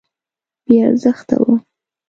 بې ارزښته وه.